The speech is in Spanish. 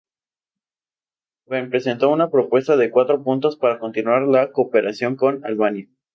Wen presentó una propuesta de cuatro puntos para continuar la cooperación con Albania.